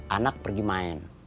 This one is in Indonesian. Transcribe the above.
anak pergi main